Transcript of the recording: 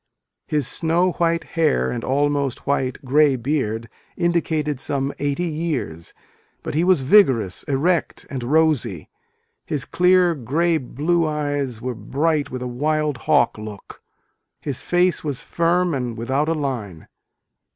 His snow white hair and almost white grey beard indicated some eighty years : but he was vigorous, erect and rosy : his clear grey blue eyes were bright with a " wild hawk look," his face was firm and without a line.